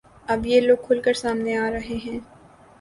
اب یہ لوگ کھل کر سامنے آ رہے ہیں